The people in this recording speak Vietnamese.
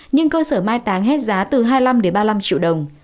nhưng cơ sở mai táng hết giá từ hai mươi năm ba mươi năm triệu đồng